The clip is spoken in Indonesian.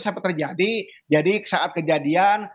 sampai terjadi jadi saat kejadian